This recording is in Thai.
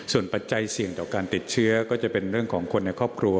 ส่วนปัจจัยเสี่ยงต่อการติดเชื้อก็จะเป็นเรื่องของคนในครอบครัว